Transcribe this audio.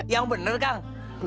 yang bener kang